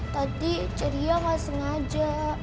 tadi ceria gak sengaja